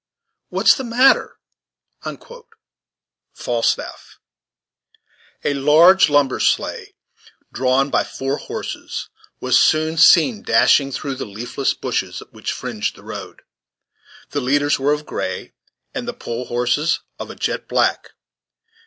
what's the matter?" Falstaff A large lumber sleigh, drawn by four horses, was soon seen dashing through the leafless bushes which fringed the road. The leaders were of gray, and the pole horses of a jet black.